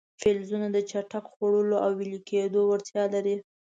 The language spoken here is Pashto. فلزونه د څټک خوړلو او ویلي کېدو وړتیا لري.